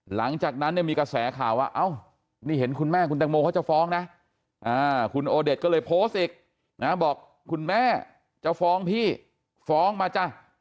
หลังจากนั้นเนี่ยมีกระแสข่าวว่าเอ้านี่เห็นคุณแม่คุณตังโมเขาจะฟ้องนะคุณโอเดชก็เลยโพสต์อีกนะบอกคุณแม่จะฟ้องพี่ฟ้องมาจ้ะ